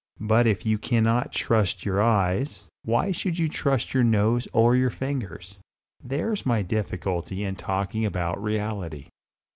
But if you cannot trust your eyes, why should you trust your nose or your fingers? There's my difficulty in talking about reality.